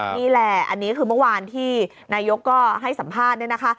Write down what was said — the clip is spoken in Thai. นี่แหละอันนี้คือเมื่อวานที่นายกก็ให้สัมภาษณ์เนี่ยนะคะ